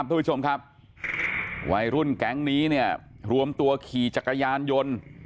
ทุกผู้ชมครับวัยรุ่นแก๊งนี้เนี่ยรวมตัวขี่จักรยานยนต์